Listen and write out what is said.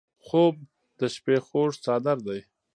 خوب د شپه خوږ څادر دی